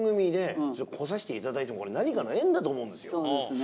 そうですね。